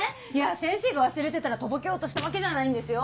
先生が忘れてたらとぼけようとしたわけじゃないんですよ。